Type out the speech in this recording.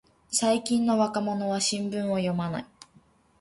最近の若者は新聞を読まない